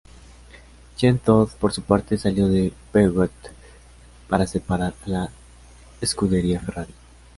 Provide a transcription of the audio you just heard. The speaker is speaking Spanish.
Jean Todt, por su parte, salió de Peugeot para pasar a la Scuderia Ferrari.